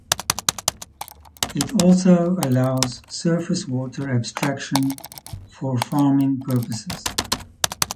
It also allows surface water abstraction for farming purposes.